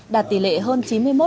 đạt tỷ lệ hơn chín mươi một sáu